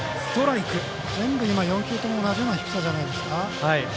全部、４球とも同じような低さじゃないですか。